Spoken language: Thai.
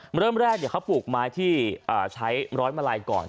เริ่มแรกเขาปลูกไม้ที่ใช้ร้อยมาลัยก่อน